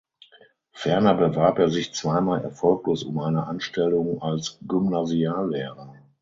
Ferner bewarb er sich zweimal erfolglos um eine Anstellung als Gymnasiallehrer.